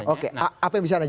oke apa yang bisa anda jelaskan